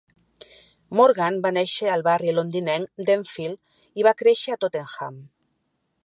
Morgan va néixer al barri londinenc d'Enfield i va créixer a Tottenham.